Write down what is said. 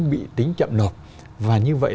bị tính chậm nộp và như vậy